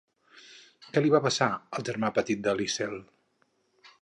Què li va passar al germà petit de Liesel?